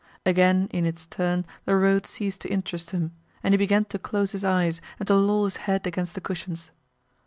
Again, in its turn, the road ceased to interest him, and he began to close his eyes and to loll his head against the cushions.